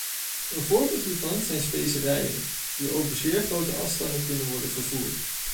Een voorbeeld hiervan zijn specerijen, die over zeer grote afstanden kunnen worden vervoerd.